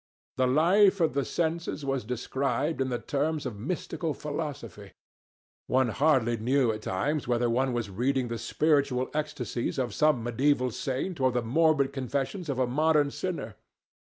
The life of the senses was described in the terms of mystical philosophy. One hardly knew at times whether one was reading the spiritual ecstasies of some mediæval saint or the morbid confessions of a modern sinner.